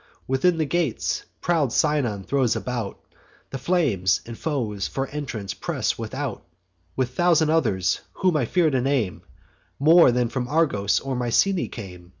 Within the gates, proud Sinon throws about The flames; and foes for entrance press without, With thousand others, whom I fear to name, More than from Argos or Mycenae came.